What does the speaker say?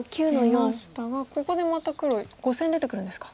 出ましたがここでまた黒５線出てくるんですか。